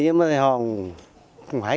nhưng mà họ không hãy